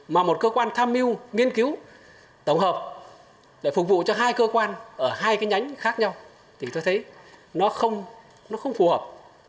mà một cơ quan tham mưu nghiên cứu tổng hợp để phục vụ cho hai cơ quan ở hai cái nhánh khác nhau thì tôi thấy nó không phù hợp